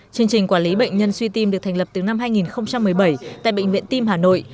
chương trình quản lý bệnh nhân suy tim được thành lập từ năm hai nghìn một mươi bảy tại bệnh viện tim hà nội